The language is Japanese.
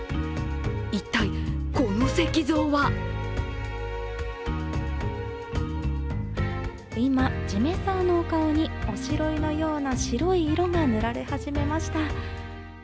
一体、この石像は今、じめさあのお顔におしろいのような白い色が塗られ始めました。